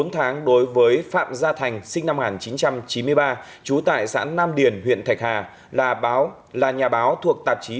bốn tháng đối với phạm gia thành sinh năm một nghìn chín trăm chín mươi ba trú tại xã nam điền huyện thạch hà là nhà báo thuộc tạp chí